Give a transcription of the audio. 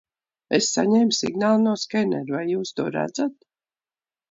Es saņēmu signālu no skenera, vai jūs to redzat?